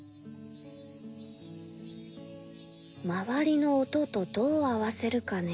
周りの音とどう合わせるかねえ。